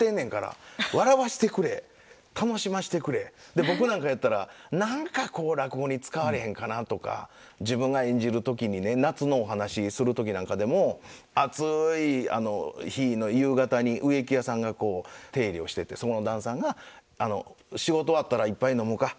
で僕なんかやったら何かこう落語に使われへんかなとか自分が演じる時にね夏のお噺する時なんかでも暑い日の夕方に植木屋さんがこう手入れをしててその旦さんが仕事終わったら「一杯飲もか。